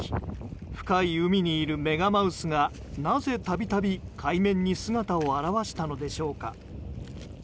深い海にいるメガマウスがなぜ、度々海面に姿を現したのでしょうか。